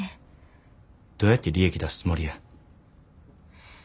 どうやって利益出すつもりや。